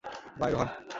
By, Rohan.